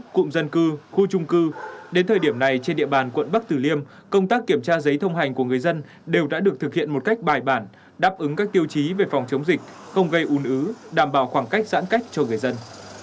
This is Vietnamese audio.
cụm dân cư khu trung cư đến thời điểm này trên địa bàn quận bắc tử liêm công tác kiểm tra giấy thông hành của người dân đều đã được thực hiện một cách bài bản đáp ứng các tiêu chí về phòng chống dịch không gây un ứ đảm bảo khoảng cách giãn cách cho người dân